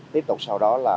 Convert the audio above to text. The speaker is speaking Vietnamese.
tiếp tục sau đó là